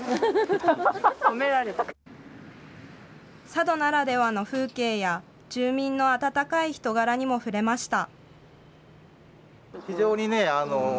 佐渡ならではの風景や、住民の温かい人柄にも触れました。